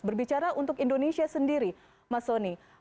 berbicara untuk indonesia sendiri mas soni